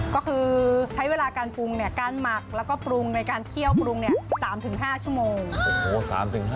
ก็คือใช้เวลาการปรุงเนี่ยการหมักแล้วก็ปรุงในการเคี่ยวปรุง๓๕ชั่วโมง